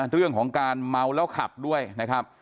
เรื่องของการเมาแล้วขับด้วยนะครับ